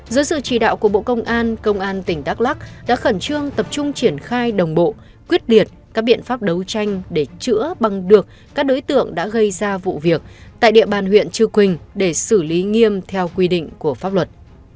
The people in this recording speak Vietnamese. dưới sự chỉ đạo của bộ công an công an tỉnh đắk lắc đã khẩn trương tập trung triển khai đồng bộ quyết liệt các biện pháp đấu tranh để chữa bằng được các đối tượng đã gây ra vụ việc tại địa bàn huyện chư quỳnh để xử lý nghiêm theo quy định của pháp luật